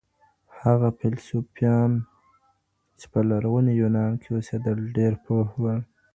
هغه فيلسوفان چي په لرغوني يونان کي اوسېدل ډېر پوه ول.